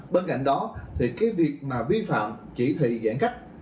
bên cạnh đó thì cái việc mà vi phạm chỉ thị giãn cách